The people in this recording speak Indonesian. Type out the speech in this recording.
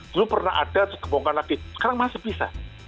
belum pernah ada kebongkar lagi sekarang masih bisa